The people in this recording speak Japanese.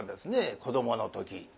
子どもの時。